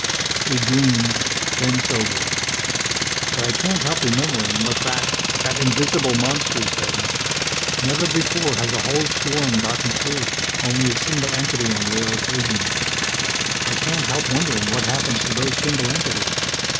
He grinned, then sobered. "But I can't help remembering what that that invisible monster said: 'Never before has a whole swarm gotten through. Only a single entity on rare occasions.' "I can't help wondering what happens to those single entities.